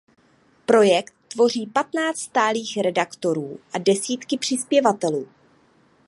Projekt tvoří patnáct stálých redaktorů a desítky přispěvatelů.